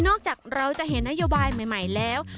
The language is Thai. จากเราจะเห็นนโยบายใหม่แล้ว